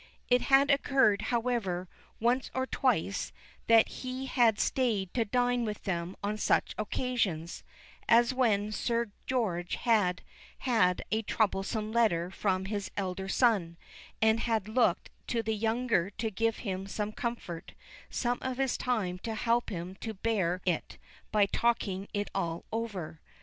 It had occurred, however, once or twice, that he had stayed to dine with them on such occasions, as when Sir George had had a troublesome letter from his elder son, and had looked to the younger to give him some comfort some of his time to help him to bear it, by talking it all over.